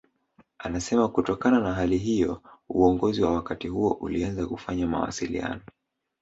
Anasema kutokana na hali hiyo uongozi wa wakati huo ulianza kufanya mawasiliano